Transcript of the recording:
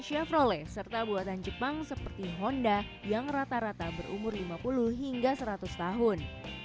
chevrole serta buatan jepang seperti honda yang rata rata berumur lima puluh hingga seratus tahun